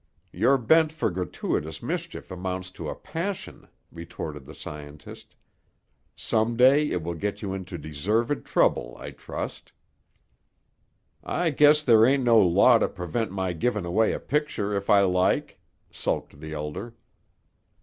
"Your bent for gratuitous mischief amounts to a passion," retorted the scientist. "Some day it will get you into deserved trouble, I trust." "I guess there ain't no law to prevent my givin' away a picture, if I like," sulked the Elder.